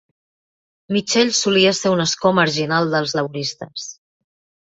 Mitchell solia ser un escó marginal dels laboristes.